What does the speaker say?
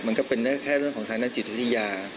มันก็เป็นแค่เรื่องของทางด้านจิตวิทยา